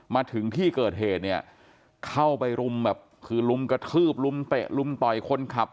มาถึงที่เกิดเหตุเนี่ยเข้าไปรุมแบบคือลุมกระทืบลุมเตะลุมต่อยคนขับ